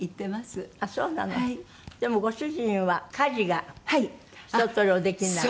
でもご主人は家事がひととおりおできになる？